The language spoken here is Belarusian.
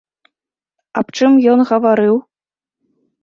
Аб чым ён гаварыў?